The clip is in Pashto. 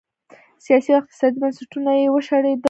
سیاسي او اقتصادي بنسټونه یې وشړېدل.